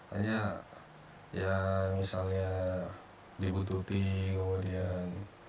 hanya ya misalnya dibutuhkan